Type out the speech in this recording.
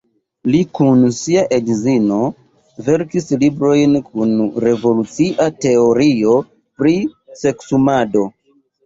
Li kun sia edzino verkis librojn kun revolucia teorio pri seksumado.